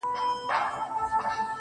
صندان د محبت دي په هر واري مخته راسي~